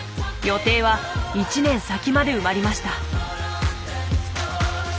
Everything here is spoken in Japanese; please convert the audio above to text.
予定は１年先まで埋まりました。